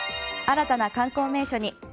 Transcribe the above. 新たな観光名所に。